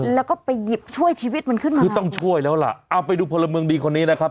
แล้วก็ไปหยิบช่วยชีวิตมันขึ้นมาคือต้องช่วยแล้วล่ะเอาไปดูพลเมืองดีคนนี้นะครับ